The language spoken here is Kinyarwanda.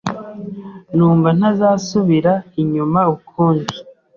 numva ntazasubira inyuma ukundi